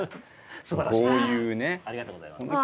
すばらしいありがとうございます。